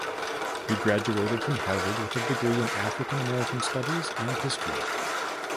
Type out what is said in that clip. He graduated from Harvard with a degree in African American studies and history.